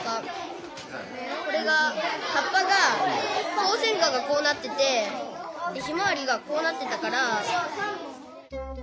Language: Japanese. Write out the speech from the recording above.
ホウセンカがこうなっててヒマワリがこうなってたから。